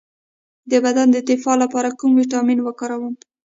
د بدن د دفاع لپاره کوم ویټامین وکاروم؟